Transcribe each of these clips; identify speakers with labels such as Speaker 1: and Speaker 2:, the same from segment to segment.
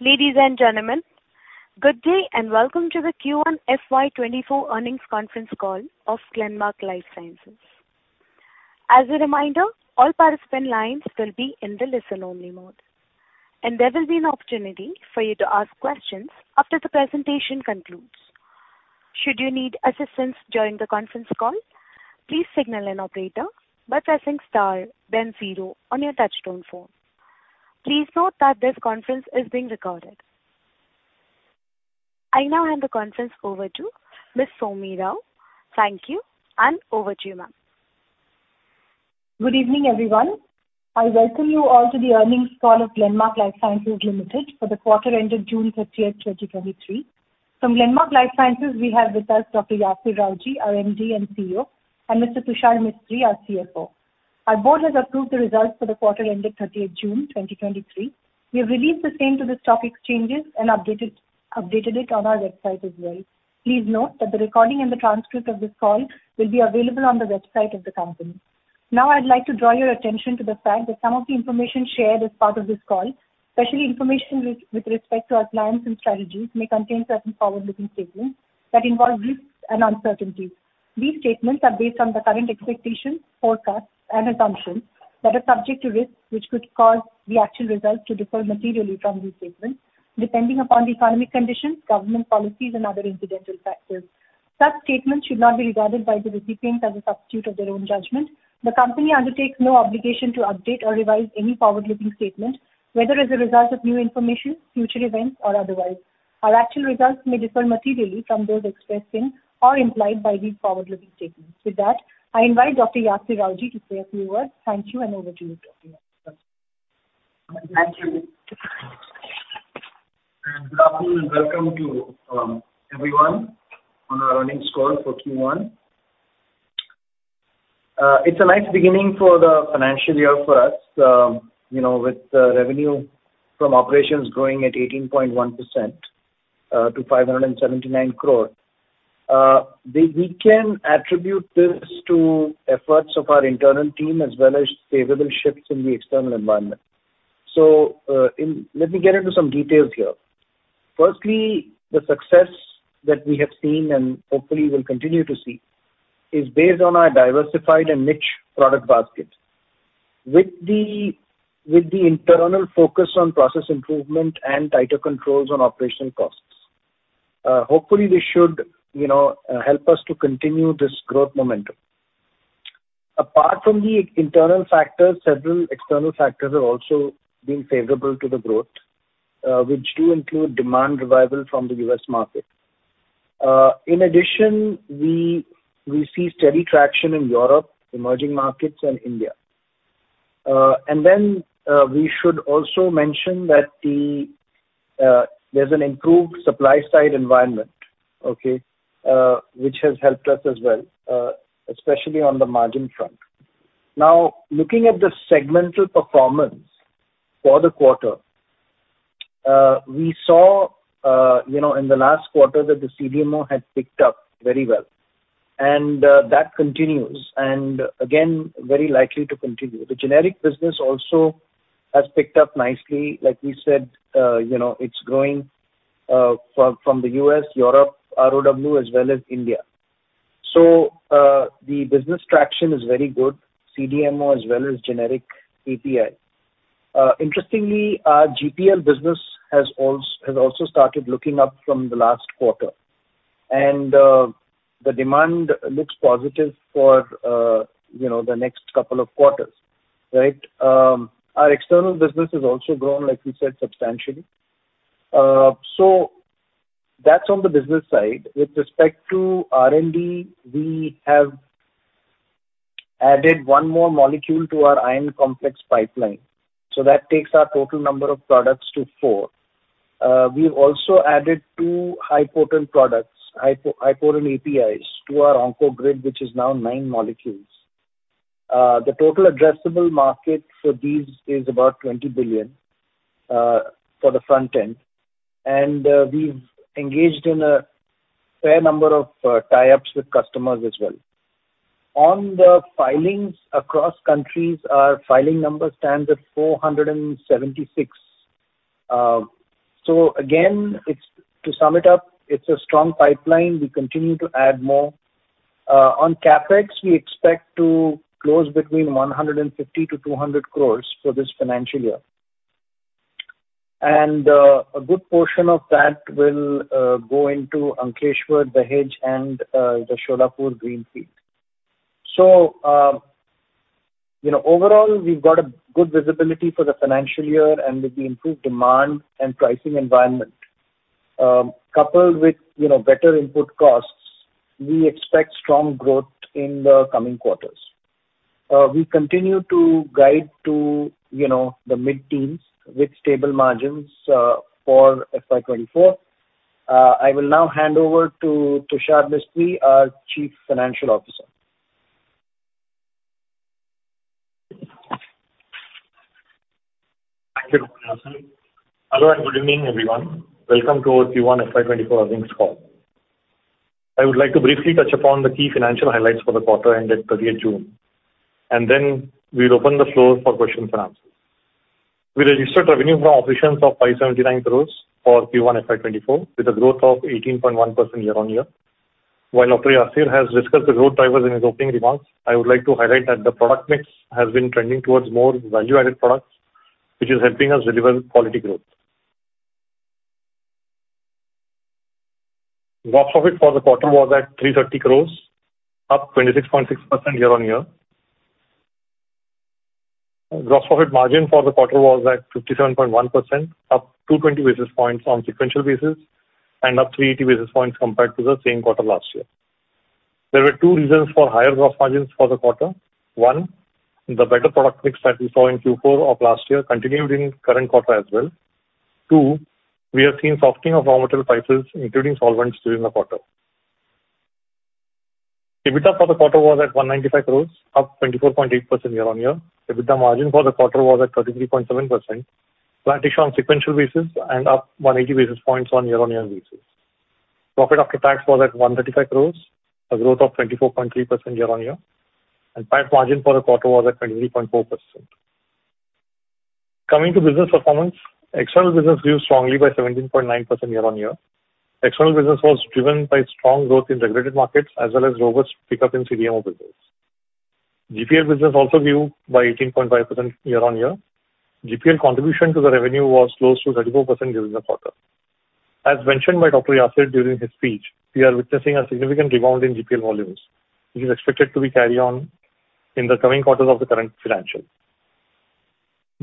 Speaker 1: Ladies and gentlemen. Good day, and welcome to the Q1 FY 2024 Earnings Conference Call of Alivus Life Sciences. As a reminder, all participant lines will be in the listen-only mode, and there will be an opportunity for you to ask questions after the presentation concludes. Should you need assistance during the conference call, please signal an operator by pressing star then zero on your touch-tone phone. Please note that this conference is being recorded. I now hand the conference over to Ms. Soumi Rao. Thank you. Over to you, ma'am.
Speaker 2: Good evening, everyone. I welcome you all to the earnings call of Glenmark Life Sciences Limited for the quarter ended June 30th, 2023. From Glenmark Life Sciences, we have with us Dr. Yasir Rawjee, our MD and CEO, and Mr. Tushar Mistry, our CFO. Our board has approved the results for the quarter ended June 30th, 2023. We have released the same to the stock exchanges and updated it on our website as well. Please note that the recording and the transcript of this call will be available on the website of the company. I'd like to draw your attention to the fact that some of the information shared as part of this call, especially information with respect to our plans and strategies, may contain certain forward-looking statements that involve risks and uncertainties. These statements are based on the current expectations, forecasts and assumptions that are subject to risks, which could cause the actual results to differ materially from these statements depending upon the economic conditions, government policies, and other incidental factors. Such statements should not be regarded by the recipient as a substitute of their own judgment. The company undertakes no obligation to update or revise any forward-looking statement, whether as a result of new information, future events, or otherwise. Our actual results may differ materially from those expressed in or implied by these forward-looking statements. With that, I invite Dr. Yasir Rawjee to say a few words. Thank you. Over to you, Dr. Yasir.
Speaker 3: Good afternoon, and welcome to everyone on our earnings call for Q1. It's a nice beginning for the financial year for us, you know, with the revenue from operations growing at 18.1% to 579 crore. We can attribute this to efforts of our internal team as well as favorable shifts in the external environment. Let me get into some details here. Firstly, the success that we have seen and hopefully will continue to see, is based on our diversified and niche product basket. With the internal focus on process improvement and tighter controls on operational costs, hopefully, this should, you know, help us to continue this growth momentum. Apart from the internal factors, several external factors are also being favorable to the growth, which do include demand revival from the US market. In addition, we see steady traction in Europe, emerging markets and India. We should also mention that there's an improved supply side environment, which has helped us as well, especially on the margin front. Now, looking at the segmental performance for the quarter, we saw, you know, in the last quarter that the CDMO had picked up very well, that continues and again, very likely to continue. The generic business also has picked up nicely. Like we said, you know, it's growing from the US, Europe, ROW, as well as India. The business traction is very good, CDMO as well as generic API. Interestingly, our GPL business has also started looking up from the last quarter, and the demand looks positive for, you know, the next couple of quarters, right? Our external business has also grown, like we said, substantially. That's on the business side. With respect to R&D, we have added one more molecule to our Iron Complex pipeline, so that takes our total number of products to four. We've also added two high-potent products, high-potent APIs to our Onco grid, which is now nine molecules. The total addressable market for these is about $20 billion for the front end, and we've engaged in a fair number of tie-ups with customers as well. On the filings across countries, our filing number stands at 476. Again, it's, to sum it up, it's a strong pipeline. We continue to add more. on CapEx, we expect to close between 150-200 crores for this financial year. A good portion of that will go into Ankleshwar, Dahej, and the Solapur Greenfield. you know, overall, we've got a good visibility for the financial year and with the improved demand and pricing environment, coupled with, you know, better input costs, we expect strong growth in the coming quarters. We continue to guide to, you know, the mid-teens with stable margins for FY 2024. I will now hand over to Tushar Mistry, our Chief Financial Officer.
Speaker 4: Thank you, Dr. Yasir. Hello, good evening, everyone. Welcome to our Q1 FY 2024 earnings call. I would like to briefly touch upon the key financial highlights for the quarter ended 30 of June, then we'll open the floor for questions and answers. We registered revenue from operations of 579 crore for Q1 FY 2024, with a growth of 18.1% year-on-year. While Dr. Yasir has discussed the growth drivers in his opening remarks, I would like to highlight that the product mix has been trending towards more value-added products, which is helping us deliver quality growth. Gross profit for the quarter was at 330 crore, up 26.6% year-on-year. Gross profit margin for the quarter was at 57.1%, up 220 basis points on sequential basis, and up 380 basis points compared to the same quarter last year. There were two reasons for higher gross margins for the quarter. One, the better product mix that we saw in Q4 of last year continued in current quarter as well. Two, we have seen softening of raw material prices, including solvents, during the quarter. EBITDA for the quarter was at 195 crores, up 24.8% year-on-year. EBITDA margin for the quarter was at 33.7%, flattish on sequential basis and up 180 basis points on year-on-year basis. Profit after tax was at 135 crores, a growth of 24.3% year-on-year, and PAT margin for the quarter was at 23.4%. Coming to business performance, external business grew strongly by 17.9% year-over-year. External business was driven by strong growth in regulated markets as well as robust pickup in CDMO business. GPL business also grew by 18.5% year-over-year. GPL contribution to the revenue was close to 34% during the quarter. As mentioned by Dr. Yasir during his speech, we are witnessing a significant rebound in GPL volumes, which is expected to be carry on in the coming quarters of the current financial.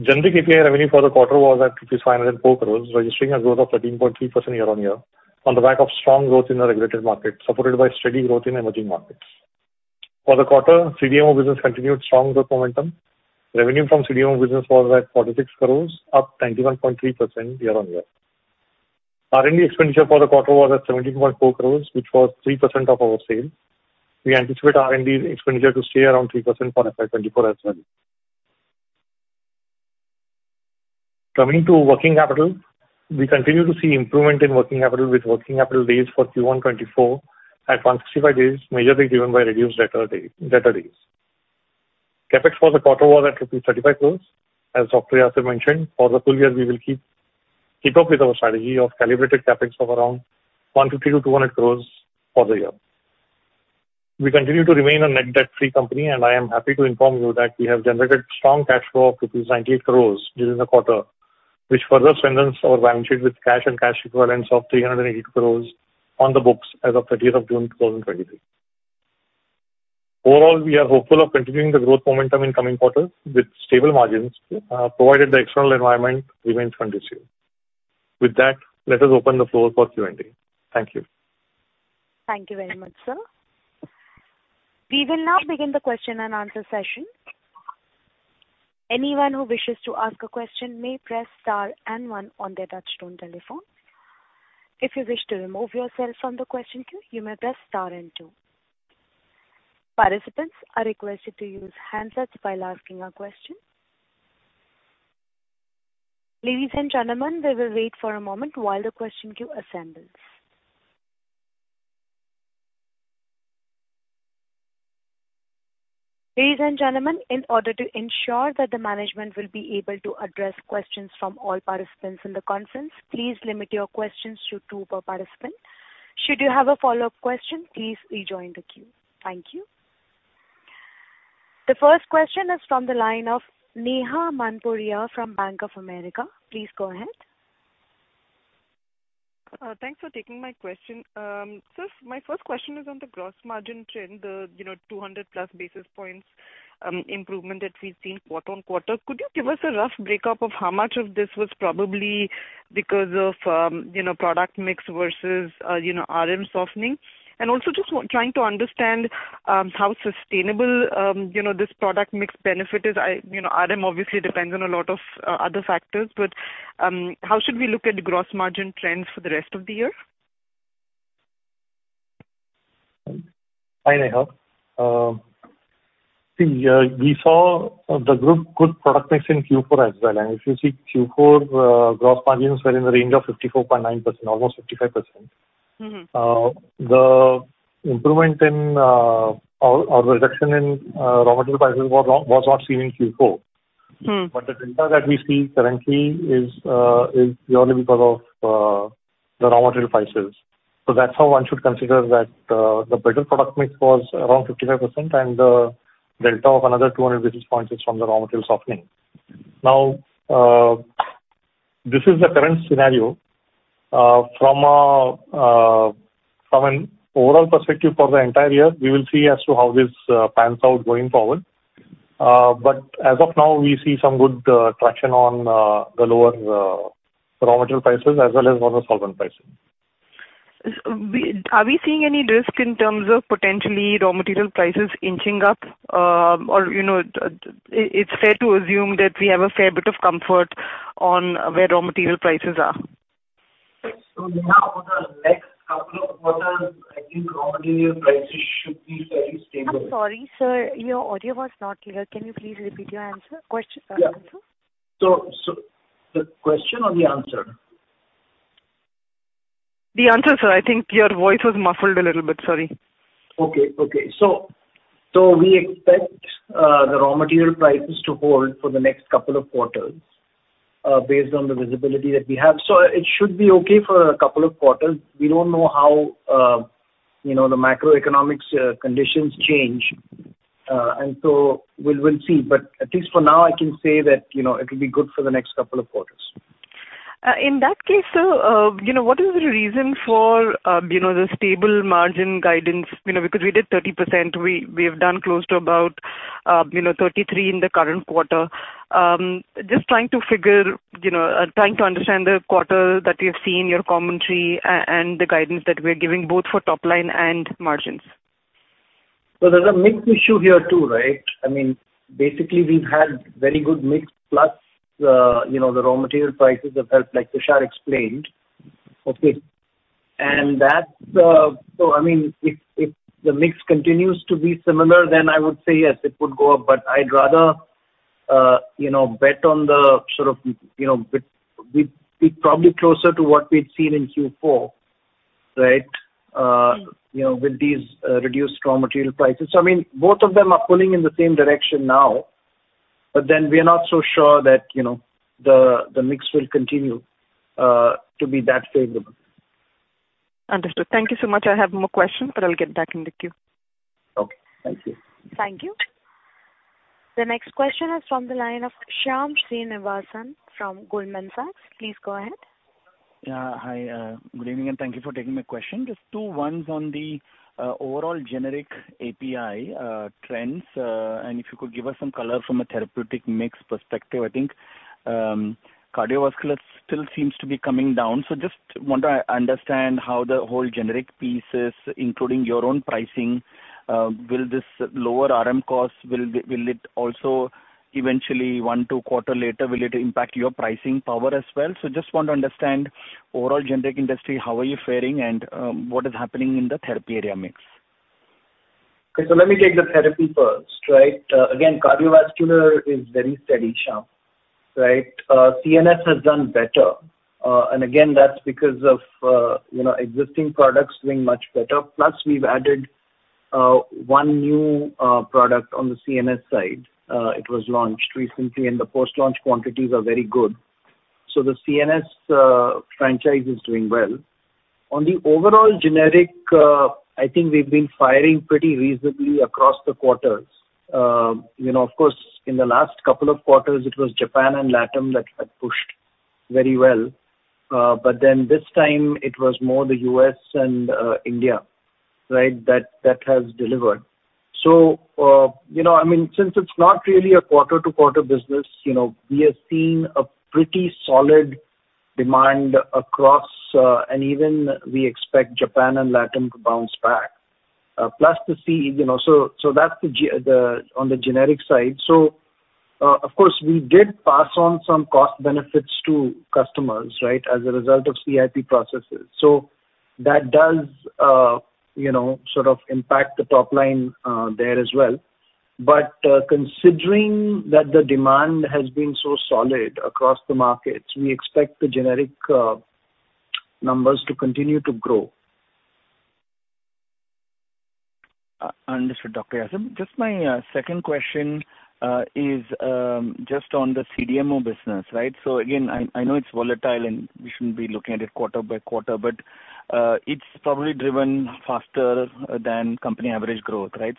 Speaker 4: Generic API revenue for the quarter was at rupees 504 crores, registering a growth of 13.3% year-over-year, on the back of strong growth in the regulated market, supported by steady growth in emerging markets. For the quarter, CDMO business continued strong growth momentum. Revenue from CDMO business was at 46 crores, up 21.3% year-on-year. R&D expenditure for the quarter was at 72.4 crores, which was 3% of our sales. We anticipate R&D expenditure to stay around 3% for FY 2024 as well. Coming to working capital, we continue to see improvement in working capital, with working capital days for Q1 2024 at 165 days, majorly driven by reduced debtor days. CapEx for the quarter was at rupees 35 crores. As Dr. Yasir mentioned, for the full year, we will keep up with our strategy of calibrated CapEx of around 150-200 crores for the year. We continue to remain a net debt-free company. I am happy to inform you that we have generated strong cash flow of rupees 98 crores during the quarter, which further strengthens our balance sheet with cash and cash equivalents of 380 crores on the books as of 30th of June, 2023. Overall, we are hopeful of continuing the growth momentum in coming quarters with stable margins, provided the external environment remains conducive. With that, let us open the floor for Q&A. Thank you.
Speaker 1: Thank you very much, Sir. We will now begin the Q&A session. Anyone who wishes to ask a question may press star and one on their touchtone telephone. If you wish to remove yourself from the question queue, you may press star and two. Participants are requested to use handsets while asking a question. Ladies and gentlemen, we will wait for a moment while the question queue assembles. Ladies and gentlemen, in order to ensure that the management will be able to address questions from all participants in the conference, please limit your questions to two per participant. Should you have a follow-up question, please rejoin the queue. Thank you. The first question is from the line of Neha Manpuria from Bank of America. Please go ahead.
Speaker 5: Thanks for taking my question. My first question is on the gross margin trend, the, you know, 200+ basis points improvement that we've seen quarter-on-quarter. Could you give us a rough breakup of how much of this was probably because of, you know, product mix versus, you know, RM softening? Also just trying to understand, how sustainable, you know, this product mix benefit is. You know, RM obviously depends on a lot of other factors, but, how should we look at the gross margin trends for the rest of the year?
Speaker 4: Hi, Neha. See, we saw the group good product mix in Q4 as well. If you see Q4, gross margins were in the range of 54.9%, almost 55%.
Speaker 5: Mm-hmm.
Speaker 4: The improvement in, or reduction in, raw material prices was not seen in Q4.
Speaker 5: Mm.
Speaker 4: The data that we see currently is purely because of the raw material prices. That's how one should consider that the better product mix was around 55%, and the delta of another 200 basis points is from the raw material softening. This is the current scenario. From an overall perspective for the entire year, we will see as to how this pans out going forward. As of now, we see some good traction on the lower raw material prices as well as on the solvent prices.
Speaker 5: Are we seeing any risk in terms of potentially raw material prices inching up? You know, it's fair to assume that we have a fair bit of comfort on where raw material prices are.
Speaker 3: Neha, for the next couple of quarters, I think raw material prices should be fairly stable.
Speaker 1: I'm sorry, Sir, your audio was not clear. Can you please repeat your answer, question, answer?
Speaker 3: the question or the answer?
Speaker 5: The answer, sir. I think your voice was muffled a little bit. Sorry.
Speaker 3: Okay. We expect the raw material prices to hold for the next couple of quarters, based on the visibility that we have. It should be okay for a couple of quarters. We don't know how, you know, the macroeconomics conditions change, and so we'll see. At least for now, I can say that, you know, it'll be good for the next couple of quarters.
Speaker 5: In that case, you know, what is the reason for, you know, the stable margin guidance? You know, because we did 30%, we have done close to about, you know, 33% in the current quarter. Just trying to figure, you know, trying to understand the quarter that we've seen, your commentary, and the guidance that we're giving both for top line and margins.
Speaker 3: Well, there's a mix issue here, too, right? I mean, basically, we've had very good mix, plus, you know, the raw material prices have helped, like Tushar explained. Okay. That's. I mean, if the mix continues to be similar, then I would say, yes, it would go up, but I'd rather, you know, bet on the sort of, you know, be probably closer to what we'd seen in Q4, right? You know, with these reduced raw material prices. I mean, both of them are pulling in the same direction now, we are not so sure that, you know, the mix will continue to be that favorable.
Speaker 5: Understood. Thank you so much. I have more questions, I'll get back in the queue.
Speaker 3: Okay. Thank you.
Speaker 1: Thank you. The next question is from the line of Shyam Srinivasan from Goldman Sachs. Please go ahead.
Speaker 6: Hi, good evening, and thank you for taking my question. Just two ones on the overall generic API trends, and if you could give us some color from a therapeutic mix perspective. I think, cardiovascular still seems to be coming down, just want to understand how the whole generic pieces, including your own pricing, will this lower RM cost, will it also eventually, one, two quarter later, will it impact your pricing power as well? Just want to understand overall generic industry, how are you fairing and, what is happening in the therapy area mix?
Speaker 3: Okay. Let me take the therapy first. Again, cardiovascular is very steady, Shyam. CNS has done better, and again, that's because of, you know, existing products doing much better. Plus, we've added one new product on the CNS side. It was launched recently, and the post-launch quantities are very good. The CNS franchise is doing well. On the overall generic, I think we've been fairing pretty reasonably across the quarters. You know, of course, in the last couple of quarters, it was Japan and Latin that had pushed very well, this time it was more the US and India. That has delivered. You know, I mean, since it's not really a quarter-to-quarter business, you know, we have seen a pretty solid demand across, and even we expect Japan and Latin to bounce back. You know, so that's On the generic side. Of course, we did pass on some cost benefits to customers, right? As a result of CIP processes. That does, you know, sort of impact the top line there as well. Considering that the demand has been so solid across the markets, we expect the generic numbers to continue to grow.
Speaker 6: Understood, Dr. Yasir. Just my second question is just on the CDMO business, right? Again, I know it's volatile, and we shouldn't be looking at it quarter by quarter, but it's probably driven faster than company average growth, right?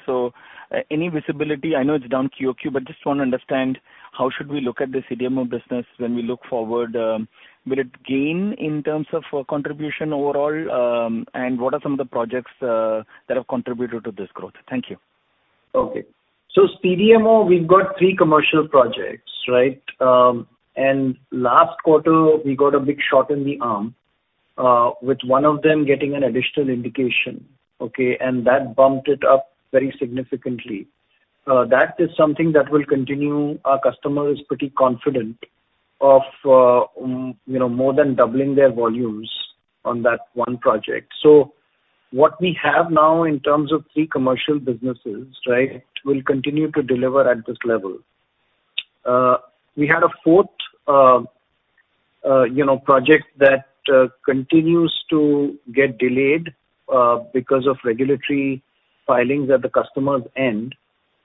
Speaker 6: Any visibility, I know it's down QOQ, but just want to understand how should we look at this CDMO business when we look forward, will it gain in terms of contribution overall, and what are some of the projects that have contributed to this growth? Thank you.
Speaker 3: CDMO, we've got three commercial projects, right? Last quarter, we got a big shot in the arm with one of them getting an additional indication. Okay? And that bumped it up very significantly. That is something that will continue. Our customer is pretty confident of, you know, more than doubling their volumes on that one project. So, what we have now in terms of three commercial businesses, right, will continue to deliver at this level. We had a fourth, you know, project that continues to get delayed because of regulatory filings at the customer's end.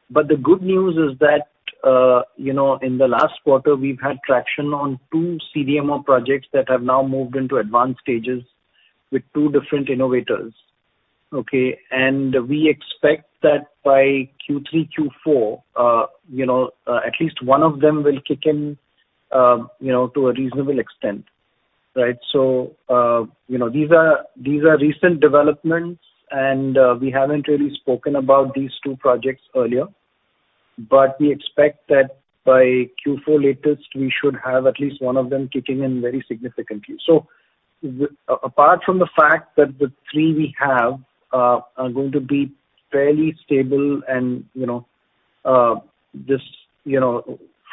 Speaker 3: But the good news is that, you know, in the last quarter, we've had traction on two CDMO projects that have now moved into advanced stages with two different innovators, okay? We expect that by Q3, Q4, at least one of them will kick in to a reasonable extent, right? These are recent developments, and we haven't really spoken about these two projects earlier, but we expect that by Q4 latest, we should have at least one of them kicking in very significantly. Apart from the fact that the three we have are going to be fairly stable and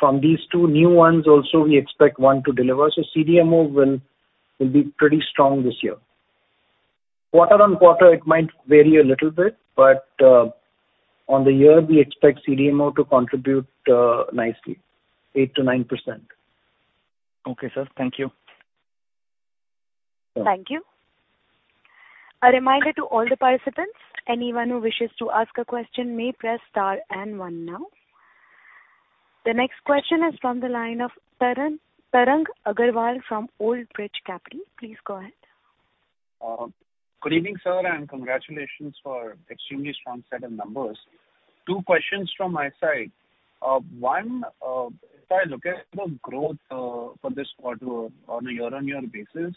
Speaker 3: from these two new ones also, we expect one to deliver. CDMO will be pretty strong this year. Quarter-on-quarter, it might vary a little bit, but on the year, we expect CDMO to contribute nicely, 8%-9%.
Speaker 6: Okay, sir. Thank you.
Speaker 1: Thank you. A reminder to all the participants, anyone who wishes to ask a question may press star and 1 now. The next question is from the line of Tarang Agrawal from Old Bridge Capital. Please go ahead.
Speaker 7: Good evening, sir, and congratulations for extremely strong set of numbers. Two questions from my side. One, if I look at the growth, for this quarter on a year-on-year basis,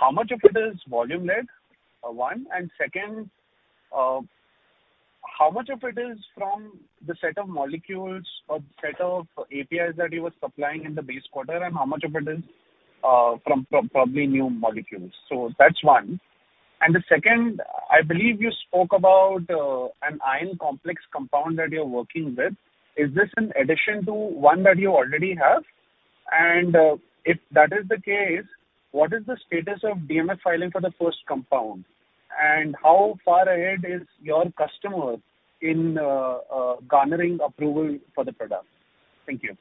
Speaker 7: how much of it is volume led? Second, how much of it is from the set of molecules or set of APIs that you were supplying in the base quarter, and how much of it is from probably new molecules? That's one. The second, I believe you spoke about an Iron Complex compound that you're working with. Is this in addition to one that you already have? If that is the case, what is the status of DMF filing for the first compound, and how far ahead is your customer in garnering approval for the product? Thank you.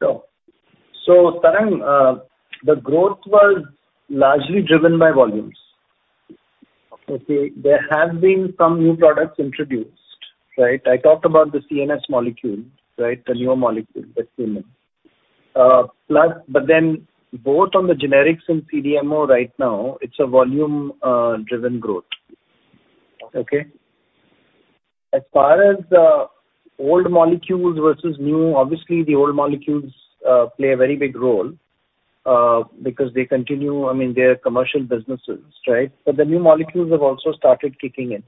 Speaker 3: Tarang, the growth was largely driven by volumes. Okay. There have been some new products introduced, right. I talked about the CNS molecule, right. The new molecule, the CNS. Plus, both on the generics and CDMO right now, it's a volume driven growth. Okay. As far as old molecules versus new, obviously, the old molecules play a very big role because they continue, I mean, they are commercial businesses, right. The new molecules have also started kicking in.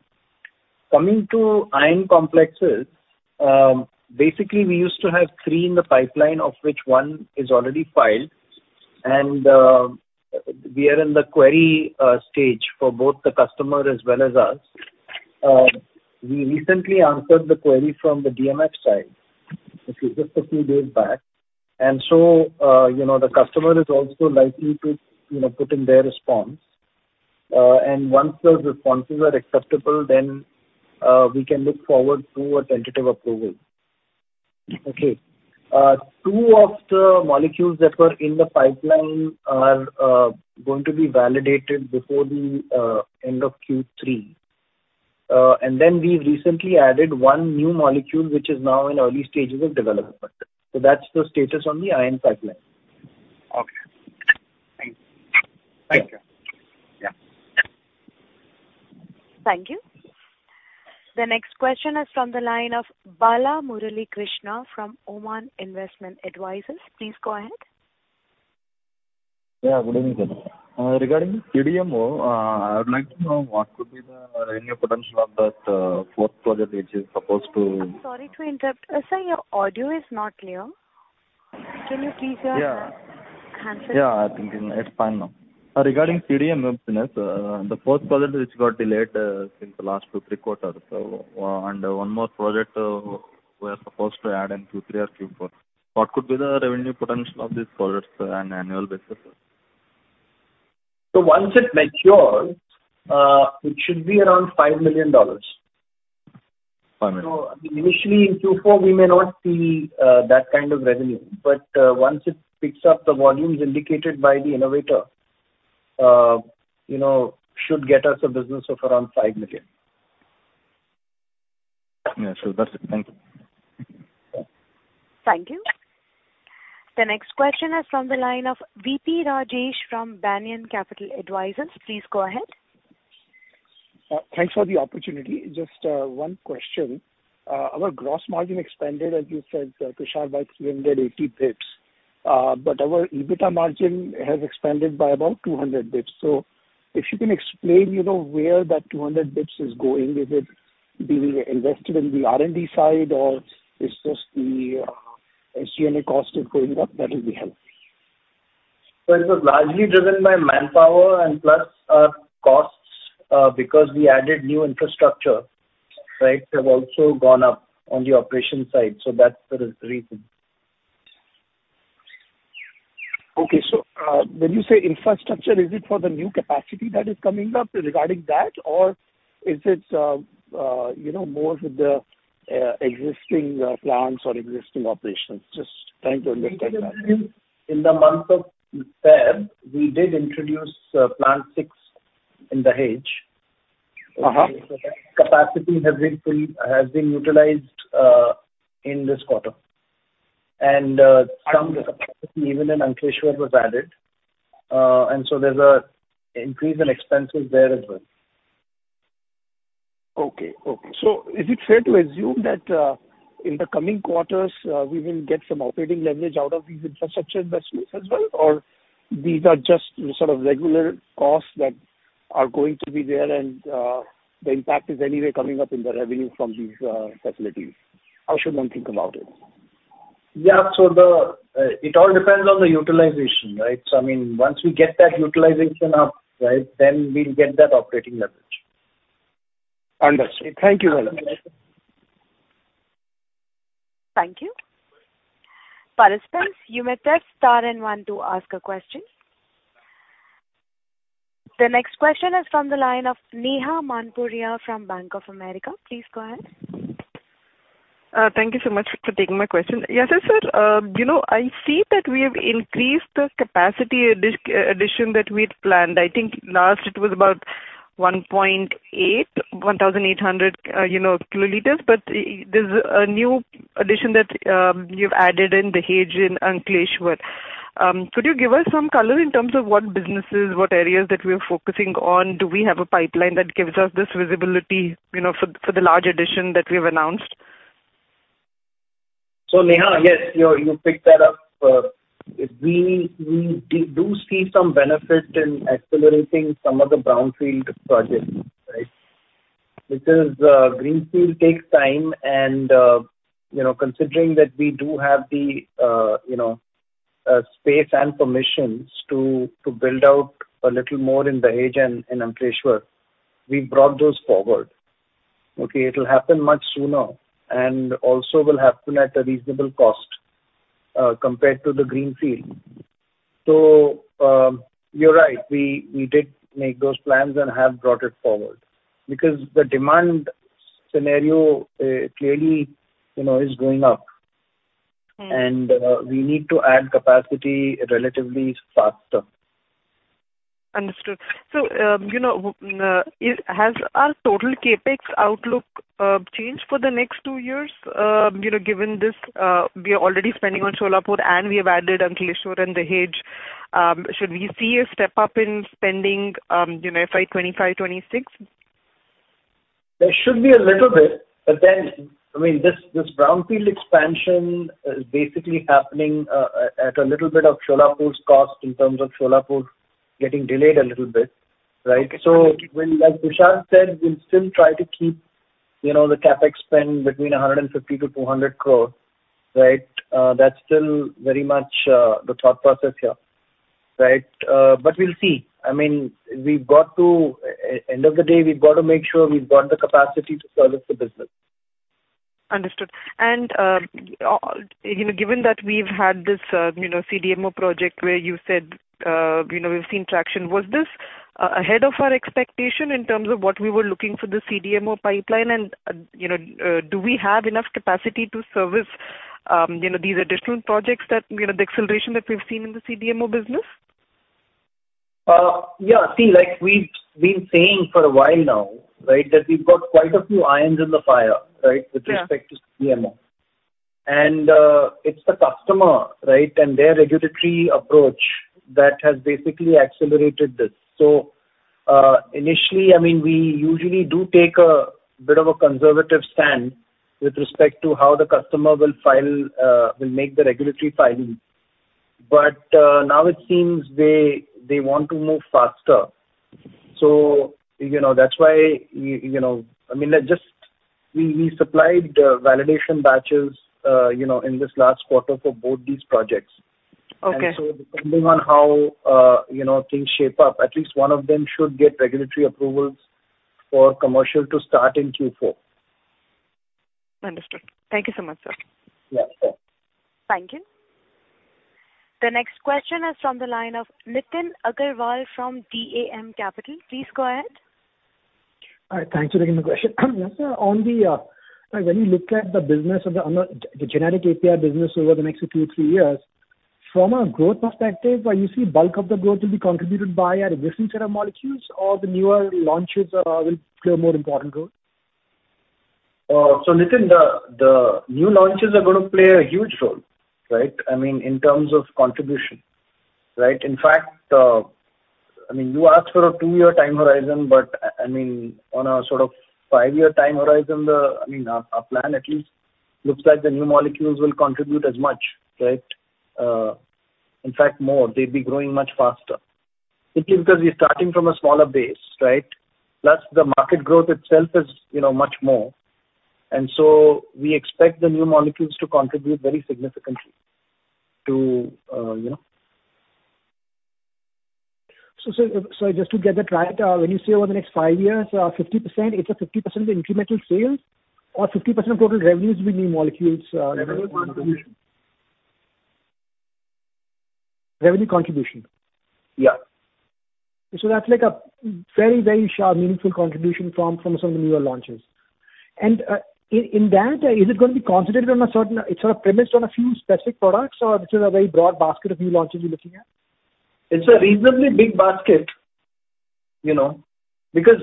Speaker 3: Coming to Iron Complexes, basically, we used to have three in the pipeline, of which one is already filed, and we are in the query stage for both the customer as well as us. We recently answered the query from the DMF side, which is just a few days back. You know, the customer is also likely to, you know, put in their response. Once those responses are acceptable, then, we can look forward to a tentative approval. Okay. Two of the molecules that were in the pipeline are going to be validated before the end of Q3. Then we recently added one new molecule, which is now in early stages of development. That's the status on the iron pipeline.
Speaker 7: Okay. Thank you. Thank you. Yeah.
Speaker 1: Thank you. The next question is from the line of Bala Murali Krishna from Oman Investment Advisors. Please go ahead.
Speaker 8: Good evening, Sir. Regarding CDMO, I would like to know what could be the revenue potential of that fourth project?
Speaker 1: I'm sorry to interrupt. Sir, your audio is not clear. Can you please.
Speaker 8: Yeah.
Speaker 1: Answer?
Speaker 8: Yeah, I think it's fine now. Regarding CDMO business, the first project which got delayed, since the last two, three quarters, and one more project, we are supposed to add in Q3 or Q4. What could be the revenue potential of these projects on an annual basis, Sir?
Speaker 3: Once it matures, it should be around $5 million.
Speaker 8: Fine.
Speaker 3: Initially in Q4, we may not see that kind of revenue, but once it picks up, the volumes indicated by the innovator, you know, should get us a business of around $5 million.
Speaker 8: Yeah, that's it. Thank you.
Speaker 1: Thank you. The next question is from the line of V.P. Rajesh from Banyan Capital Advisors. Please go ahead.
Speaker 9: Thanks for the opportunity. Just one question. Our gross margin expanded, as you said, Tushar, by 380 basis points, but our EBITDA margin has expanded by about 200 basis points. If you can explain, you know, where that 200 basis points is going, is it being invested in the R&D side, or it's just the SG&A cost is going up? That will be helpful.
Speaker 3: It was largely driven by manpower and plus, costs, because we added new infrastructure, right, have also gone up on the operation side. That's the reason.
Speaker 9: Okay. When you say infrastructure, is it for the new capacity that is coming up regarding that, or is it, you know, more with the existing plants or existing operations? Just trying to understand that.
Speaker 3: In the month of February, we did introduce, plant 6 in Dahej.
Speaker 9: Uh-huh.
Speaker 3: Capacity has been utilized in this quarter. Some capacity even in Ankleshwar was added, so there's an increase in expenses there as well.
Speaker 9: Okay. Okay. Is it fair to assume that in the coming quarters, we will get some operating leverage out of these infrastructure investments as well, or these are just sort of regular costs that are going to be there and the impact is anyway coming up in the revenue from these facilities? How should one think about it?
Speaker 3: The, it all depends on the utilization, right? I mean, once we get that utilization up, right, then we'll get that operating leverage.
Speaker 9: Understood. Thank you very much.
Speaker 1: Thank you. Participants, you may press star and one to ask a question. The next question is from the line of Neha Manpuria from Bank of America. Please go ahead.
Speaker 5: Thank you so much for taking my question. Yes, sir. You know, I see that we have increased the capacity addition that we had planned. I think last it was about 1,800, you know, kiloliters. There's a new addition that you've added in Dahej and Ankleshwar. Could you give us some color in terms of what businesses, what areas that we are focusing on? Do we have a pipeline that gives us this visibility, you know, for the large addition that we have announced?
Speaker 3: Neha, yes, you picked that up. We do see some benefit in accelerating some of the Brownfield projects, right. Because Greenfield takes time and, you know, considering that we do have the, you know, space and permissions to build out a little more in Dahej and in Ankleshwar, we've brought those forward. Okay, it'll happen much sooner, and also will happen at a reasonable cost, compared to the Greenfield. You're right, we did make those plans and have brought it forward. Because the demand scenario, clearly, you know, is going up.
Speaker 5: Hmm.
Speaker 3: We need to add capacity relatively faster.
Speaker 5: Understood. you know, has our total CapEx outlook changed for the next two years? you know, given this, we are already spending on Solapur, and we have added Ankleshwar and Dahej. Should we see a step up in spending, you know, by 2025, 2026?
Speaker 3: There should be a little bit, but then, I mean, this Brownfield expansion is basically happening at a little bit of Solapur's cost in terms of Solapur getting delayed a little bit, right? When, like Prashant said, we'll still try to keep, you know, the CapEx spend between 150 crores-200 crores, right? That's still very much the thought process here, right? But we'll see. I mean, we've got to end of the day, we've got to make sure we've got the capacity to service the business.
Speaker 5: Understood. You know, given that we've had this, you know, CDMO project, where you said, you know, we've seen traction, was this ahead of our expectation in terms of what we were looking for the CDMO pipeline? You know, do we have enough capacity to service, you know, these additional projects that, you know, the acceleration that we've seen in the CDMO business?
Speaker 3: Yeah. See, like we've been saying for a while now, right, that we've got quite a few irons in the fire, right?
Speaker 5: Yeah.
Speaker 3: With respect to CDMO. It's the customer, right, and their regulatory approach that has basically accelerated this. Initially, I mean, we usually do take a bit of a conservative stand with respect to how the customer will file, will make the regulatory filings. Now it seems they want to move faster. You know, that's why, you know, I mean, just we supplied validation batches, you know, in this last quarter for both these projects.
Speaker 5: Okay.
Speaker 3: Depending on how, you know, things shape up, at least one of them should get regulatory approvals for commercial to start in Q4.
Speaker 5: Understood. Thank you so much, Sir.
Speaker 3: Yeah, sure.
Speaker 1: Thank you. The next question is from the line of Nitin Agarwal from DAM Capital. Please go ahead.
Speaker 10: Thank you for taking my question. Yasir, on the, when you look at the business of the generic API business over the next two, three years, from a growth perspective, you see bulk of the growth will be contributed by our existing set of molecules or the newer launches, will play a more important role?
Speaker 3: Nitin, the new launches are going to play a huge role, right? I mean, in terms of contribution, right? In fact, I mean, you asked for a two-year time horizon, but I mean, on a sort of five-year time horizon, I mean, our plan at least looks like the new molecules will contribute as much, right? In fact, more. They'd be growing much faster, simply because we're starting from a smaller base, right? Plus, the market growth itself is, you know, much more. We expect the new molecules to contribute very significantly to, you know.
Speaker 10: Just to get that right, when you say over the next five years, 50%, it's 50% incremental sales or 50% of total revenues will be new molecules? Revenue contribution.
Speaker 3: Yeah.
Speaker 10: That's like a very, very sharp, meaningful contribution from some of the newer launches. In that, is it going to be concentrated on a sort of premised on a few specific products, or this is a very broad basket of new launches you're looking at?
Speaker 3: It's a reasonably big basket, you know, because,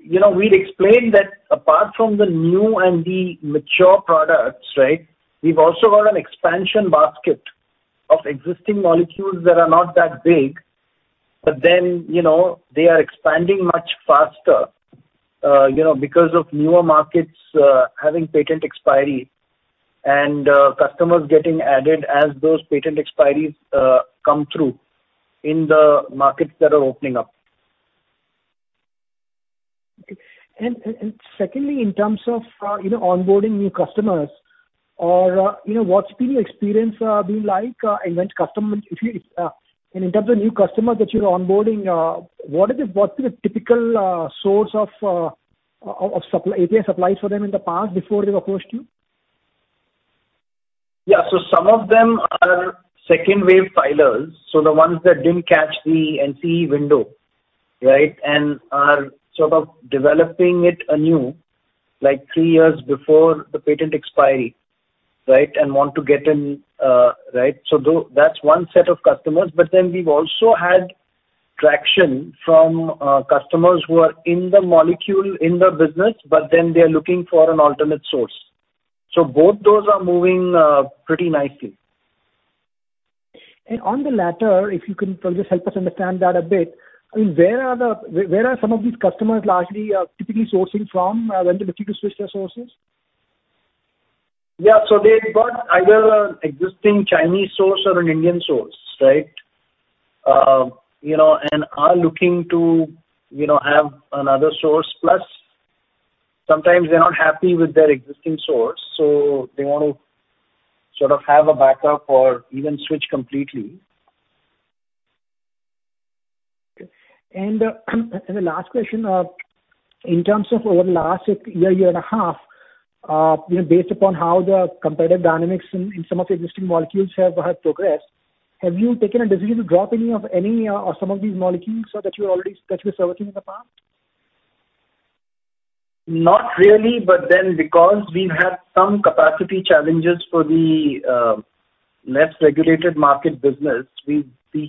Speaker 3: you know, we'd explained that apart from the new and the mature products, right, we've also got an expansion basket of existing molecules that are not that big. They are expanding much faster, you know, because of newer markets, having patent expiry and customers getting added as those patent expiries come through in the markets that are opening up.
Speaker 10: Okay. Secondly, in terms of, you know, onboarding new customers or, you know, what's been your experience, been like, in which customer... If, and in terms of new customers that you're onboarding, what's the typical source of supply, API supplies for them in the past before they approached you?
Speaker 3: Yeah. Some of them are second wave filers, so the ones that didn't catch the NCE window, right? Are sort of developing it anew, like three years before the patent expiry, right? Want to get in, right. Though, that's one set of customers, but then we've also had traction from customers who are in the molecule, in the business, but then they are looking for an alternate source. Both those are moving pretty nicely.
Speaker 10: On the latter, if you can just help us understand that a bit. I mean, where are some of these customers largely, typically sourcing from, when they're looking to switch their sources?
Speaker 3: Yeah. They've got either an existing Chinese source or an Indian source, right? You know, and are looking to, you know, have another source, plus sometimes they're not happy with their existing source, so they want to sort of have a backup or even switch completely.
Speaker 10: The last question, in terms of over the last year and a half, you know, based upon how the competitive dynamics in some of the existing molecules have progressed, have you taken a decision to drop any, or some of these molecules so that you already, that you were serving in the past?
Speaker 3: Because we've had some capacity challenges for the less regulated market business, we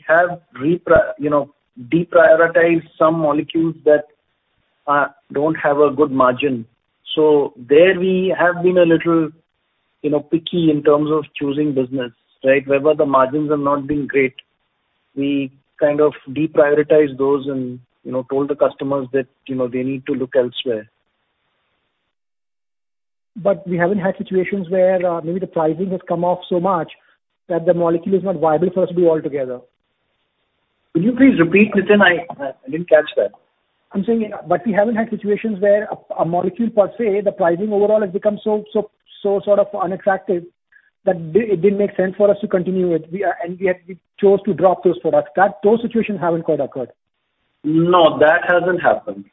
Speaker 3: have you know, deprioritized some molecules that don't have a good margin. There we have been a little, you know, picky in terms of choosing business, right? Wherever the margins have not been great, we kind of deprioritize those and, you know, told the customers that, you know, they need to look elsewhere.
Speaker 10: We haven't had situations where maybe the pricing has come off so much, that the molecule is not viable for us to be altogether.
Speaker 3: Could you please repeat, Nitin? I didn't catch that.
Speaker 10: I'm saying, but we haven't had situations where a molecule per se, the pricing overall has become so sort of unattractive, that it didn't make sense for us to continue it, we chose to drop those products. That, those situations haven't quite occurred?
Speaker 3: No, that hasn't happened.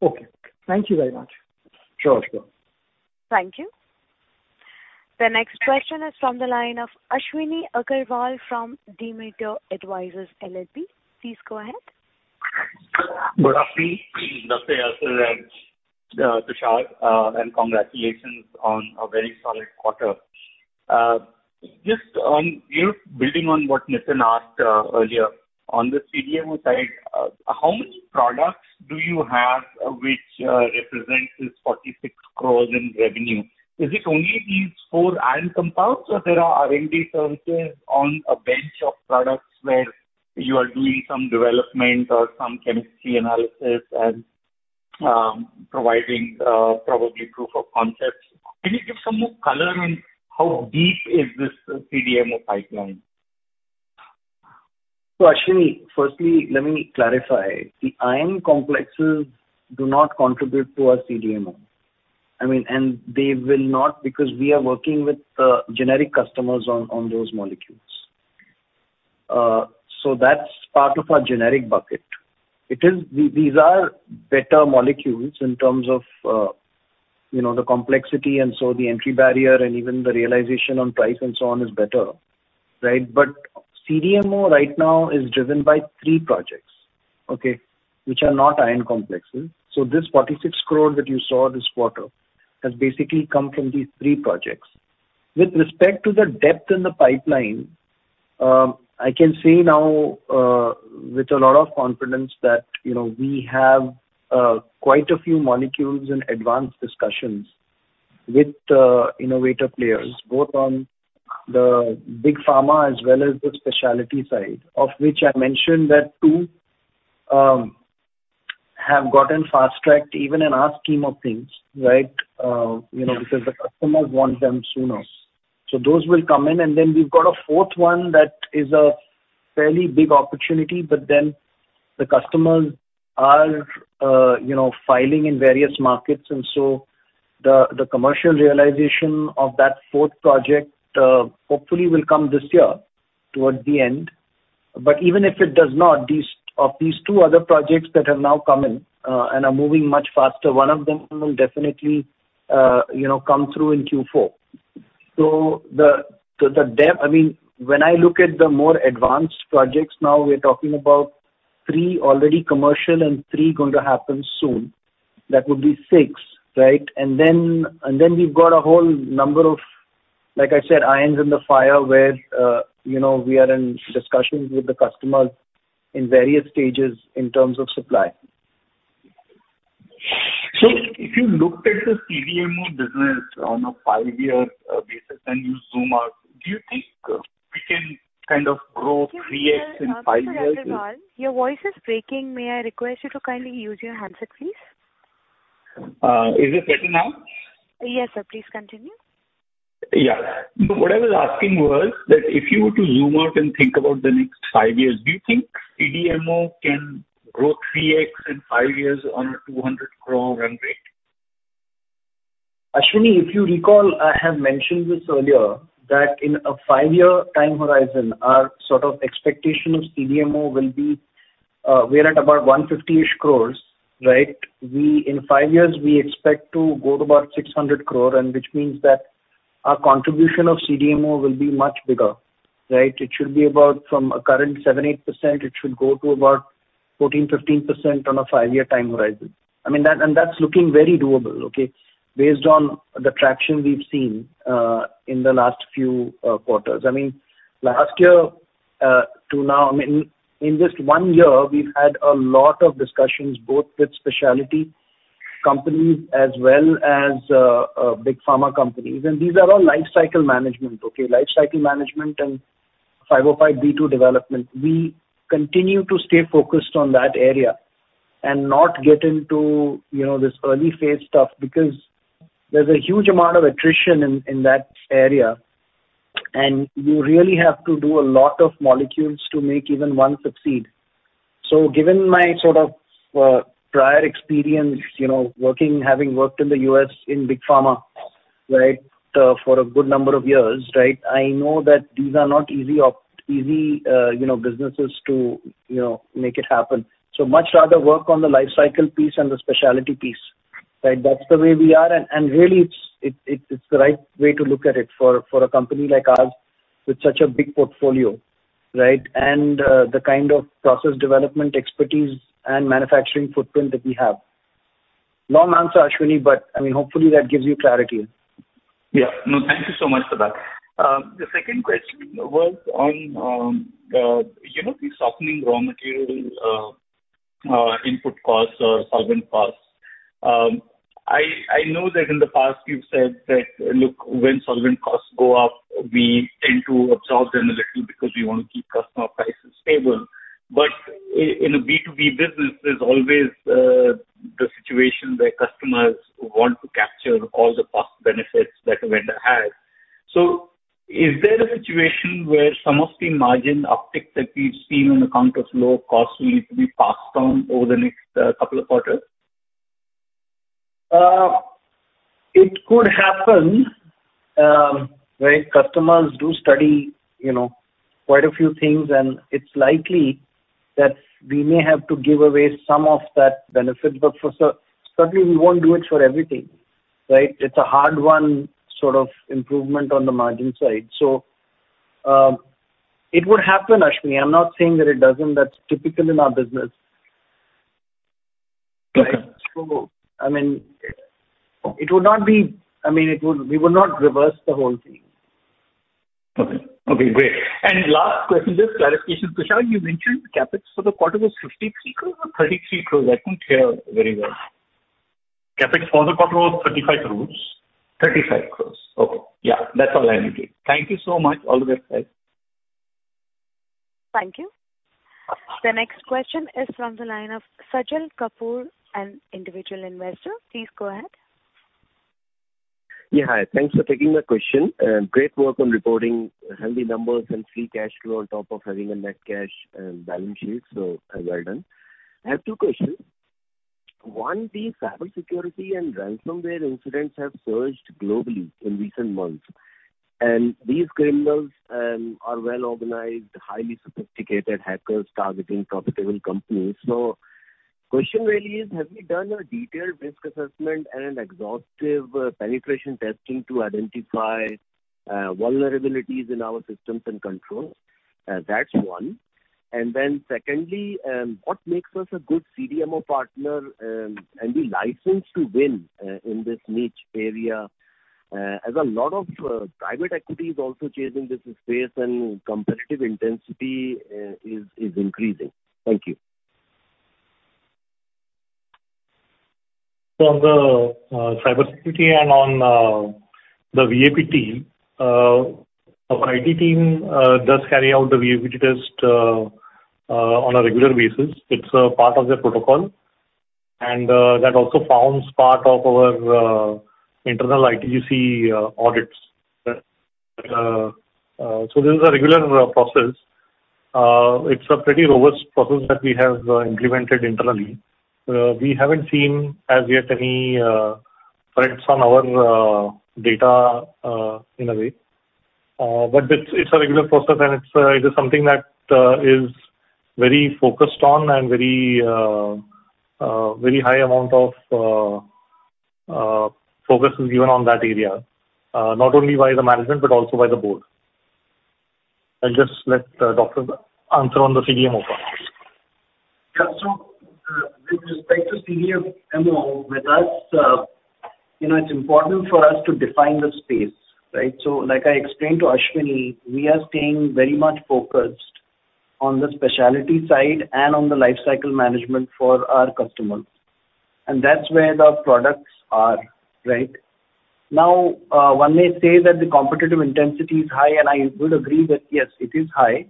Speaker 10: Okay. Thank you very much.
Speaker 3: Sure, sure.
Speaker 1: Thank you. The next question is from the line of Ashwini Agarwal from Demeter Advisors LLP. Please go ahead.
Speaker 11: Good afternoon. Namaste, Ashvin and Tushar, and congratulations on a very solid quarter. Just on, you know, building on what Nitin asked earlier, on the CDMO side, how many products do you have which represents this 46 crores in revenue? Is it only these four Iron compounds, or there are R&D services on a bench of products where you are doing some development or some chemistry analysis and providing probably proof of concepts? Can you give some more color in how deep is this CDMO pipeline?
Speaker 3: Ashwini, firstly, let me clarify. The Iron Complexes do not contribute to our CDMO. I mean, and they will not, because we are working with generic customers on those molecules. That's part of our generic bucket. These are better molecules in terms of, you know, the complexity, and so the entry barrier and even the realization on price and so on is better, right? CDMO right now is driven by three projects, okay, which are not Iron Complexes. This 46 crore that you saw this quarter, has basically come from these three projects. With respect to the depth in the pipeline, I can say now, with a lot of confidence that we have quite a few molecules in advanced discussions with innovator players, both on the big pharma as well as the specialty side, of which I mentioned that too have gotten fast-tracked even in our scheme of things. Because the customers want them sooner. Those will come in, and then we've got a fourth one that is a fairly big opportunity, but then the customers are filing in various markets, and so the commercial realization of that fourth project hopefully will come this year, towards the end. Even if it does not, these two other projects that have now come in, and are moving much faster, one of them will definitely, you know, come through in Q4. I mean, when I look at the more advanced projects now, we're talking about three already commercial and three going to happen soon. That would be six, right? We've got a whole number of, like I said, irons in the fire where, you know, we are in discussions with the customers in various stages in terms of supply.
Speaker 11: If you looked at the CDMO business on a five-year basis, and you zoom out, do you think we can kind of grow 3x in five years?
Speaker 1: Ashwini Agarwal, your voice is breaking. May I request you to kindly use your handset, please?
Speaker 11: Is it better now?
Speaker 1: Yes, Sir. Please continue.
Speaker 11: What I was asking was that if you were to zoom out and think about the next five years, do you think CDMO can grow 3x in five years on a 200 crore run rate?
Speaker 3: Ashwini, if you recall, I have mentioned this earlier, that in a five-year time horizon, our sort of expectation of CDMO will be, we're at about 150-ish crores, right? In five years, we expect to go to about 600 crore, which means that our contribution of CDMO will be much bigger, right? It should be about from a current 7%-8%, it should go to about 14%-15% on a five-year time horizon. I mean, that's looking very doable, okay? Based on the traction we've seen, in the last few quarters. I mean, last year, to now, I mean, in just one year, we've had a lot of discussions, both with specialty companies as well as big pharma companies. These are all lifecycle management, okay? Lifecycle management and 505(b)(2) development. We continue to stay focused on that area and not get into, you know, this early phase stuff, because there's a huge amount of attrition in that area, and you really have to do a lot of molecules to make even one succeed. Given my sort of prior experience, you know, working, having worked in the US in big pharma, right, for a good number of years, right, I know that these are not easy, you know, businesses to, you know, make it happen. Much rather work on the life cycle piece and the specialty piece, right? That's the way we are, and really, it's the right way to look at it for a company like ours with such a big portfolio, right? The kind of process development expertise and manufacturing footprint that we have. Long answer, Ashwini, but, I mean, hopefully that gives you clarity.
Speaker 11: No, thank you so much for that. The second question was on, you know, the softening raw material input costs or solvent costs. I know that in the past you've said that, look, when solvent costs go up, we tend to absorb them a little because we want to keep customer prices stable. In a B2B business, there's always the situation where customers want to capture all the past benefits that a vendor has. Is there a situation where some of the margin uptick that we've seen on account of low costs will need to be passed on over the next couple of quarters?
Speaker 3: It could happen, right? Customers do study, you know, quite a few things, and it's likely that we may have to give away some of that benefit, but certainly, we won't do it for everything, right? It's a hard-won sort of improvement on the margin side. It would happen, Ashwini. I'm not saying that it doesn't. That's typical in our business.
Speaker 11: Okay.
Speaker 3: I mean, it would not be, I mean, we would not reverse the whole thing.
Speaker 11: Okay. Okay, great. Last question, just clarification, Tushar, you mentioned CapEx for the quarter was 53 crores or 33 crores? I couldn't hear very well.
Speaker 4: CapEx for the quarter was 35 crores.
Speaker 11: 35 crores. Okay. Yeah, that's all I needed. Thank you so much. All the best, guys.
Speaker 1: Thank you. The next question is from the line of Sajal Kapoor, an individual investor. Please go ahead.
Speaker 12: Yeah, hi. Thanks for taking my question, great work on reporting healthy numbers and free cash flow on top of having a net cash balance sheet. Well done. I have two questions. One, the cybersecurity and ransomware incidents have surged globally in recent months, these criminals are well-organized, highly sophisticated hackers targeting profitable companies. Question really is, have we done a detailed risk assessment and an exhaustive penetration testing to identify vulnerabilities in our systems and controls? That's one. Secondly, what makes us a good CDMO partner and the license to win in this niche area? A lot of private equity is also chasing this space, and competitive intensity is increasing. Thank you.
Speaker 4: On the cybersecurity and on the VAPT team, our IT team does carry out the VAPT test on a regular basis. It's a part of their protocol, that also forms part of our internal ITGC audits. This is a regular process. It's a pretty robust process that we have implemented internally. We haven't seen as yet any threats on our data in a way. It's a regular process, and it is something that is very focused on and very high amount of focus is given on that area, not only by the management, but also by the board. I'll just let doctor answer on the CDMO part.
Speaker 3: With respect to CDMO, with us, you know, it's important for us to define the space, right? Like I explained to Ashwini, we are staying very much focused on the specialty side and on the life cycle management for our customers, and that's where the products are, right? Now, one may say that the competitive intensity is high, and I would agree that, yes, it is high,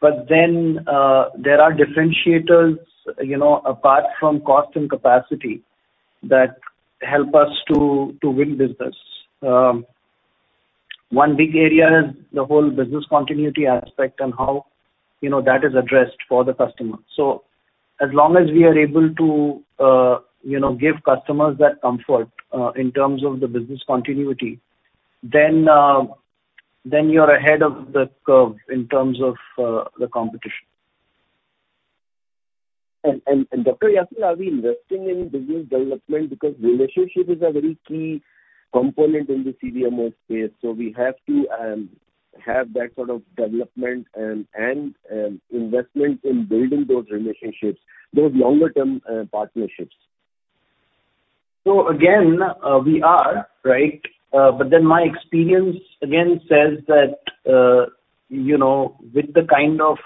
Speaker 3: there are differentiators, you know, apart from cost and capacity, that help us to win business. One big area is the whole business continuity aspect and how, you know, that is addressed for the customer. As long as we are able to, you know, give customers that comfort, in terms of the business continuity, then you're ahead of the curve in terms of the competition.
Speaker 12: Dr. Yasir, are we investing in business development? Because relationship is a very key component in the CDMO space, we have to have that sort of development and investment in building those relationships, those longer-term partnerships.
Speaker 3: Again, we are, right? But then my experience again says that, you know, with the kind of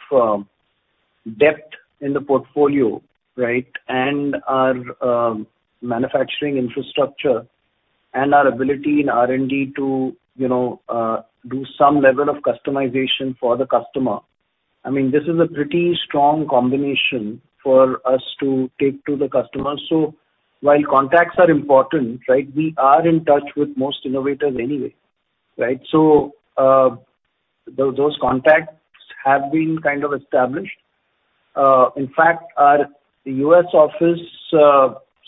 Speaker 3: depth in the portfolio, right, and our manufacturing infrastructure and our ability in R&D to, you know, do some level of customization for the customer, I mean, this is a pretty strong combination for us to take to the customer. While contacts are important, right, we are in touch with most innovators anyway, right? Those contacts have been kind of established. In fact, our US office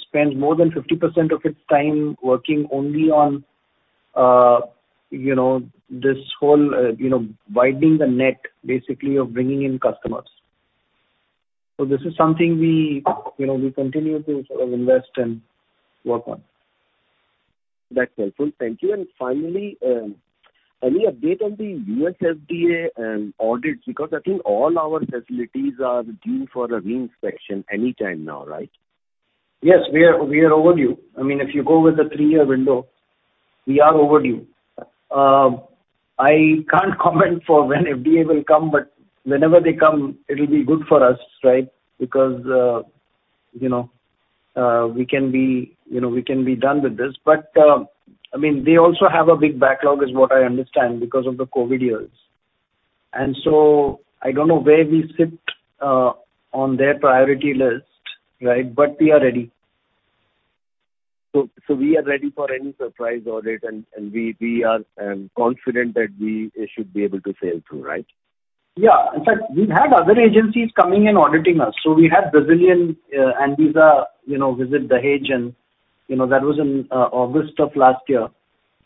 Speaker 3: spends more than 50% of its time working only on, you know, this whole, you know, widening the net, basically, of bringing in customers. This is something we, you know, we continue to sort of invest and work on.
Speaker 12: That's helpful. Thank you. Finally, any update on the US FDA audits? I think all our facilities are due for a re-inspection anytime now, right?
Speaker 3: Yes, we are overdue. I mean, if you go with a three-year window, we are overdue. I can't comment for when FDA will come, but whenever they come, it'll be good for us, right? Because, you know, we can be, you know, we can be done with this. I mean, they also have a big backlog, is what I understand, because of the COVID years. I don't know where we sit on their priority list, right? We are ready.
Speaker 12: We are ready for any surprise audit, and we are confident that we should be able to sail through, right?
Speaker 3: Yeah. In fact, we've had other agencies coming and auditing us. We had Brazilian Anvisa, you know, visit Dahej, and, you know, that was in August of last year,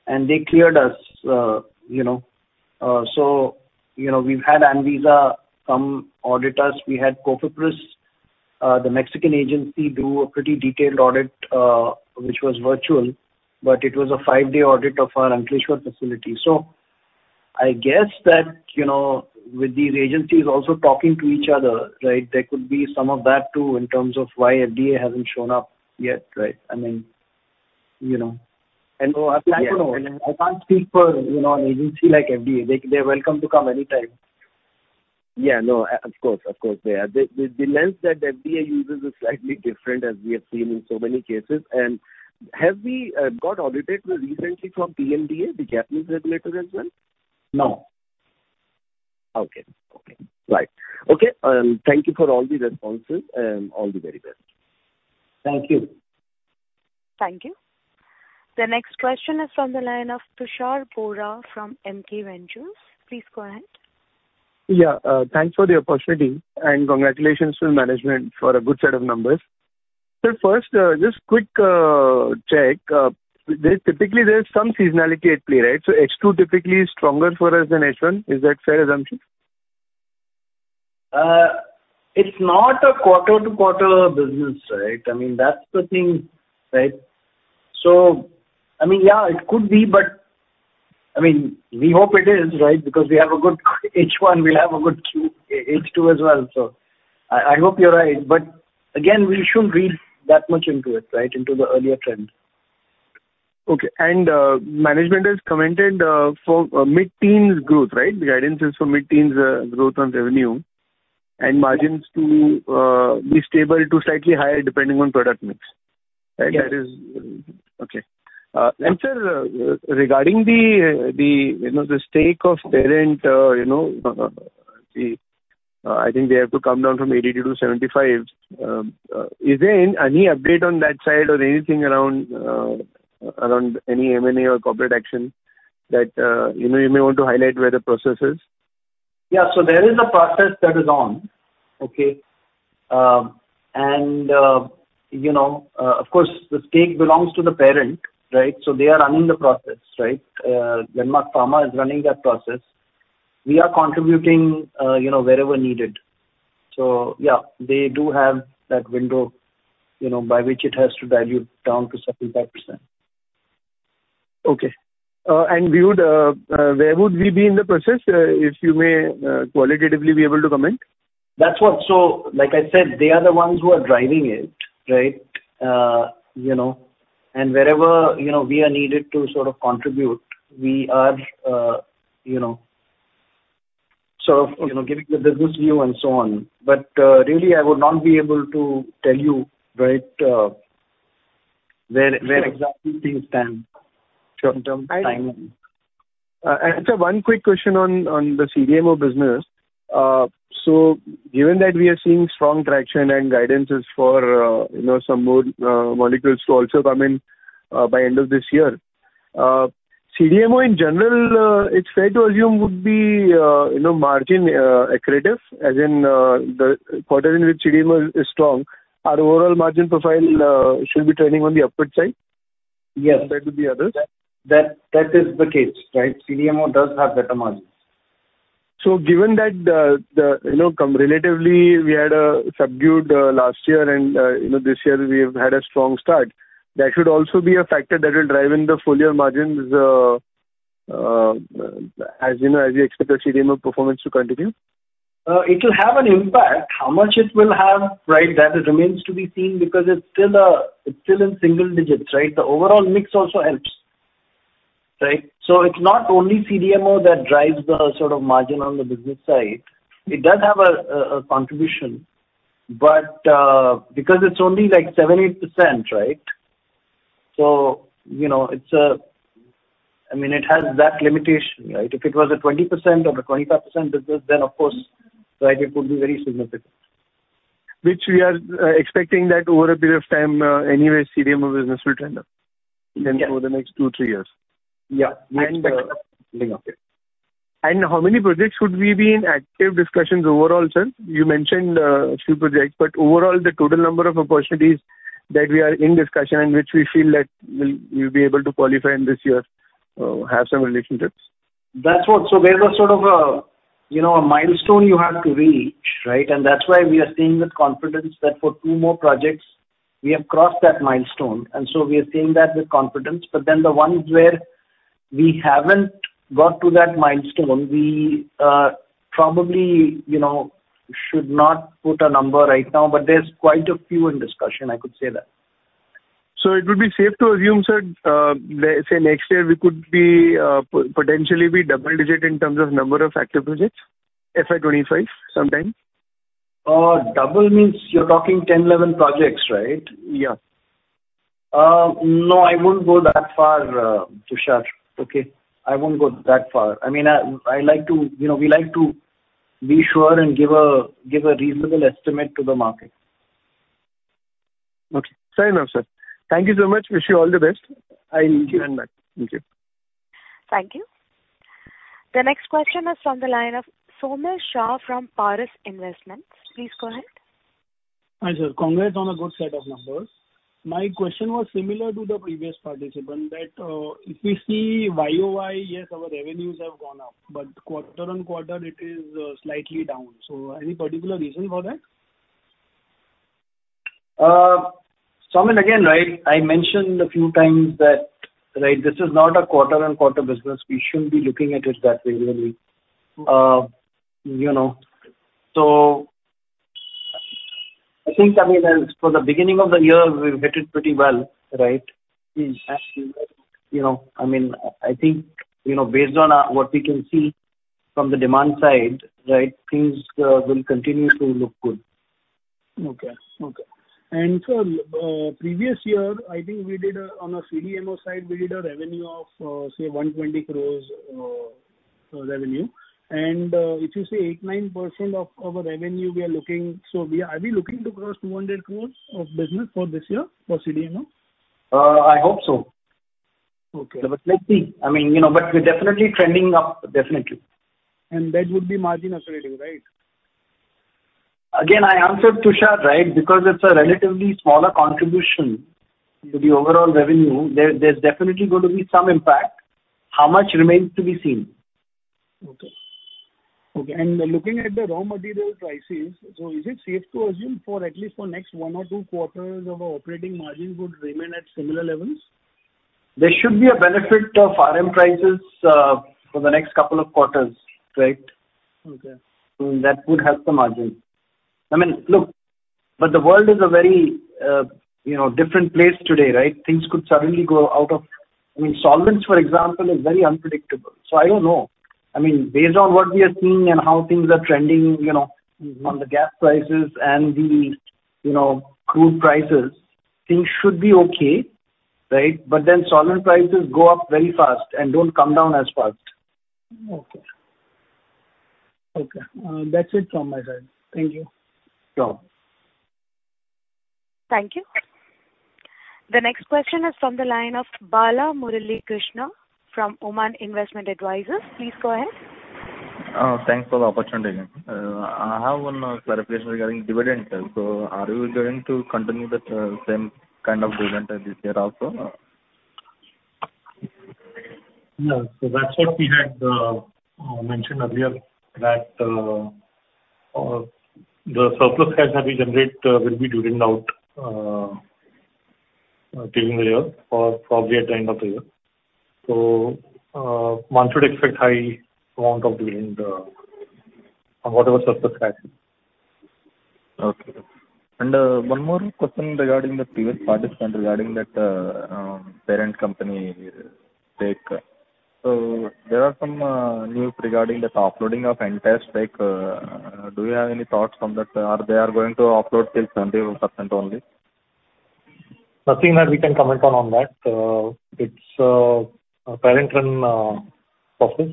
Speaker 3: and they cleared us, you know. You know, we've had Anvisa come audit us. We had Cofepris, the Mexican agency, do a pretty detailed audit, which was virtual, but it was a five-day audit of our Ankleshwar facility. I guess that, you know, with these agencies also talking to each other, right, there could be some of that, too, in terms of why FDA hasn't shown up yet, right? I mean, you know.
Speaker 12: And so I
Speaker 3: I can't speak for, you know, an agency like FDA. They're welcome to come anytime.
Speaker 12: Yeah, no, of course, they are. The lens that FDA uses is slightly different, as we have seen in so many cases. Have we got audited recently from PMDA, the Japanese regulator, as well?
Speaker 3: No.
Speaker 12: Okay. Okay, right. Okay, thank you for all the responses, and all the very best.
Speaker 3: Thank you.
Speaker 1: Thank you. The next question is from the line of Tushar Bora from Emkay. Please go ahead.
Speaker 13: Thanks for the opportunity, and congratulations to management for a good set of numbers. First, just quick, check. Typically, there's some seasonality at play, right? H2 typically is stronger for us than H1. Is that fair assumption?
Speaker 3: It's not a quarter-to-quarter business, right? I mean, that's the thing, right? I mean, yeah, it could be, but I mean, we hope it is, right? Because we have a good H1, we'll have a good H2 as well. I hope you're right. Again, we shouldn't read that much into it, right, into the earlier trends.
Speaker 13: Okay. Management has commented for mid-teens growth, right? The guidance is for mid-teens growth on revenue and margins to be stable to slightly higher, depending on product mix, right?
Speaker 3: Yes.
Speaker 13: That is Okay. Sir, regarding the, you know, the stake of parent, you know, the, I think they have to come down from 82% to 75%. Is there any update on that side or anything around any M&A or corporate action that, you know, you may want to highlight where the process is?
Speaker 3: Yeah. There is a process that is on, okay? You know, of course, the stake belongs to the parent, right? They are running the process, right? Landmark Pharma is running that process. We are contributing, you know, wherever needed. Yeah, they do have that window, you know, by which it has to dilute down to 75%.
Speaker 13: Okay. we would, where would we be in the process, if you may, qualitatively be able to comment?
Speaker 3: Like I said, they are the ones who are driving it, right? You know, and wherever, you know, we are needed to sort of contribute, we are, you know, sort of, you know, giving the business view and so on. Really, I would not be able to tell you, right, where exactly things stand.
Speaker 13: Sure.
Speaker 3: In terms of timeline.
Speaker 13: Sir, one quick question on the CDMO business. Given that we are seeing strong traction and guidance for, you know, some more molecules to also come in by end of this year. CDMO in general, it's fair to assume would be, you know, margin accretive, as in, the quarter in which CDMO is strong. Our overall margin profile should be trending on the upward side?
Speaker 3: Yes.
Speaker 13: Compared to the others.
Speaker 3: That is the case, right? CDMO does have better margins.
Speaker 13: Given that the, you know, relatively, we had a subdued last year, and you know, this year we have had a strong start. That should also be a factor that will drive in the full year margins as, you know, as we expect the CDMO performance to continue?
Speaker 3: It will have an impact. How much it will have, right, that it remains to be seen because it's still in single digits, right? The overall mix also helps, right? It's not only CDMO that drives the sort of margin on the business side. It does have a contribution, but because it's only, like, 70%, right? You know, I mean, it has that limitation, right? If it was a 20% or a 25% business, then of course, right, it would be very significant.
Speaker 13: Which we are expecting that over a period of time, anyway, CDMO business will trend up?
Speaker 3: Yes.
Speaker 13: For the next two, three years.
Speaker 3: Yeah, we expect okay.
Speaker 13: How many projects should we be in active discussions overall, Sir? You mentioned, two projects, but overall, the total number of opportunities that we are in discussion, and which we feel that we'll be able to qualify in this year, have some relationships.
Speaker 3: That's what. There's a sort of a, you know, a milestone you have to reach, right? That's why we are saying with confidence that for two more projects, we have crossed that milestone, and so we are saying that with confidence. The ones where we haven't got to that milestone, we probably, you know, should not put a number right now, but there's quite a few in discussion, I could say that.
Speaker 13: It would be safe to assume, sir, say, next year, we could be potentially double-digit in terms of number of active projects, FY 2025, sometime?
Speaker 3: Double means you're talking 10, 11 projects, right?
Speaker 13: Yeah.
Speaker 3: No, I won't go that far, Tushar, okay? I won't go that far. I mean, I like to, you know, we like to be sure and give a reasonable estimate to the market.
Speaker 13: Okay. Fair enough, sir. Thank you so much. Wish you all the best. I'll get back. Thank you.
Speaker 1: Thank you. The next question is from the line of Sonal Shah from Paras Investments. Please go ahead.
Speaker 14: Hi, sir. Congrats on a good set of numbers. My question was similar to the previous participant, that, if we see Y-o-Y, yes, our revenues have gone up, but quarter-on-quarter, it is, slightly down. Any particular reason for that?
Speaker 3: Sonal, again, right, I mentioned a few times that, right, this is not a quarter-on-quarter business. We shouldn't be looking at it that way, really. you know, I think, I mean, as for the beginning of the year, we've hit it pretty well, right?
Speaker 14: Mm-hmm.
Speaker 3: You know, I mean, I think, you know, based on what we can see from the demand side, right, things will continue to look good.
Speaker 14: Okay. Okay. Previous year, I think we did on a CDMO side, we did a revenue of, say, 120 crores. If you say 8%, 9% of our revenue, are we looking to cross 200 crores of business for this year for CDMO?
Speaker 3: I hope so.
Speaker 14: Okay.
Speaker 3: Let's see. I mean, you know, but we're definitely trending up, definitely.
Speaker 14: That would be margin accretive, right?
Speaker 3: Again, I answered Tushar, right? Because it's a relatively smaller contribution to the overall revenue, there's definitely going to be some impact. How much remains to be seen.
Speaker 14: Okay. Okay, looking at the raw material prices, is it safe to assume for at least for next one or two quarters of our operating margin would remain at similar levels?
Speaker 3: There should be a benefit of RM prices, for the next couple of quarters, right?
Speaker 14: Okay.
Speaker 3: That would help the margin. I mean, look, the world is a very, you know, different place today, right? Things could suddenly. I mean, solvents, for example, is very unpredictable. I don't know. I mean, based on what we are seeing and how things are trending, you know, on the gas prices and the, you know, crude prices, things should be okay, right? Solvent prices go up very fast and don't come down as fast.
Speaker 14: Okay, that's it from my side. Thank you.
Speaker 3: Sure.
Speaker 1: Thank you. The next question is from the line of Bala Murali Krishna from Oman Investment Advisors. Please go ahead.
Speaker 8: Thanks for the opportunity. I have one clarification regarding dividends. Are you going to continue the same kind of dividend as this year also, or?
Speaker 4: That's what we had mentioned earlier, that the surplus cash that we generate will be dividend out during the year or probably at the end of the year. One should expect high amount of dividend on whatever surplus cash.
Speaker 8: Okay. One more question regarding the previous participant, regarding that parent company stake. There are some news regarding the offloading of interest, like, do you have any thoughts on that? Or they are going to offload till 70% only?
Speaker 4: Nothing that we can comment on that. It's a parent-run process.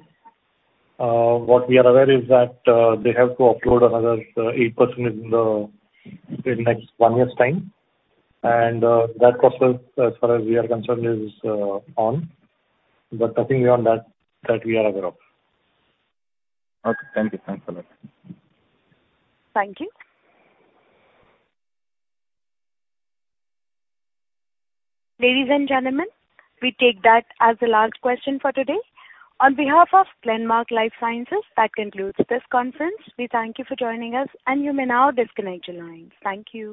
Speaker 4: What we are aware is that they have to offload another 8% in the next 1 year's time. That process, as far as we are concerned, is on. Nothing beyond that we are aware of.
Speaker 8: Okay. Thank you. Thanks a lot.
Speaker 1: Thank you. Ladies and gentlemen, we take that as the last question for today. On behalf of Glenmark Life Sciences, that concludes this conference. We thank you for joining us, and you may now disconnect your line. Thank you.